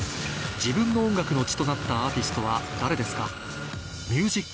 自分の音楽の血となったアーティストは誰ですか？